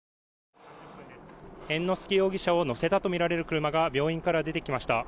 猿之助容疑者を乗せたとみられる車が病院から出てきました。